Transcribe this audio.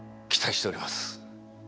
期待しております。